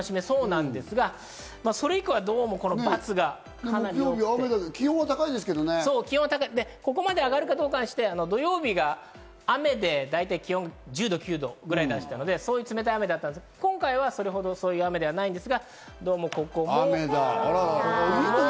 それ以降はどうもバツ、気温は高いですけど、ここまで上がるかどうかは別にして、土曜日が雨で、気温が１０度・９度ぐらいでしたので、そういう冷たい雨だったんですけど、今回はそれほど、そういう雨ではないんですけれど。